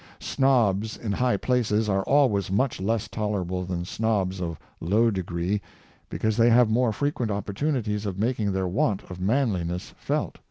Snobs in high places are always much less tolerable than snobs of low degree, because they have more frequent opportunities of making their want of manliness felt.